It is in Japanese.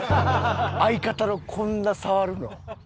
相方のこんな触るの。